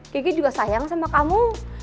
gigi juga sayang sama kamu